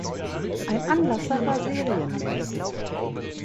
Ein Anlasser war serienmäßig.